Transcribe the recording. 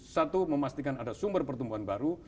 satu memastikan ada sumber pertumbuhan baru